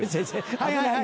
はいはい。